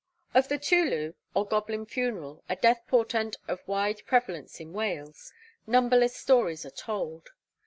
Of the Teulu, or Goblin Funeral, a death portent of wide prevalence in Wales, numberless stories are told.